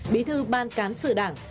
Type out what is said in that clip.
bí thư ban cán sử đảng